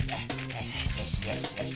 よしよしよし。